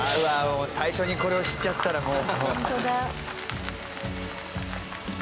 最初にこれを知っちゃったらもう。